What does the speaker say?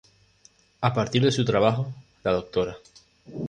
A partir de su trabajo, la Dra.